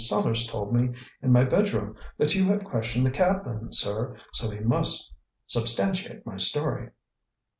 Sellars told me in my bedroom that you had questioned the cabman, sir, so he must substantiate my story."